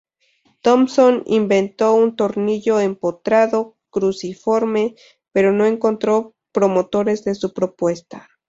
Thompson inventó un "tornillo empotrado cruciforme", pero no encontró promotores de su propuesta.